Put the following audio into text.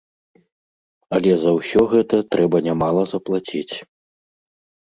Але за ўсё гэта трэба нямала заплаціць.